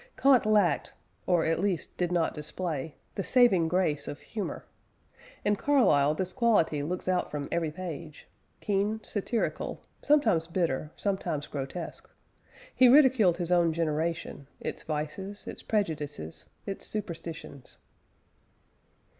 Kant lacked, or at least did not display, the saving grace of humour; in Carlyle this quality looks out from every page keen, satirical, sometimes bitter, sometimes grotesque; he ridiculed his own generation, its vices, its prejudices, its superstitions.